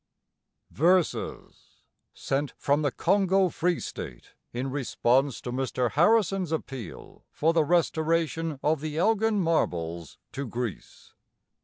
Verses (_Sent from the Congo Free State in response to Mr. Harrison's appeal for the Restoration of the Elgin Marbles to Greece.